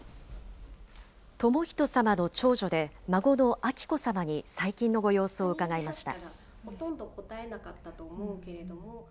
寛仁さまの長女で、孫の彬子さまに最近のご様子を伺いました。